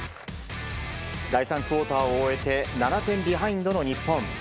第３クオーターを終えて７点ビハインドの日本。